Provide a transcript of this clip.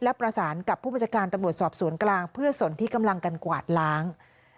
และประสานกับผู้บัญชาการตำรวจสอบสวนกลางเพื่อสนที่กำลังกันกวาดล้าง